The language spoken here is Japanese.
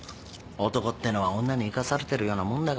男ってのは女に生かされてるようなもんだからな。